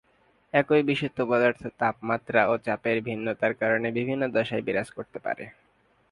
একই বিশুদ্ধ পদার্থ তাপমাত্রা ও চাপের ভিন্নতার কারণে বিভিন্ন দশায় বিরাজ করতে পারে।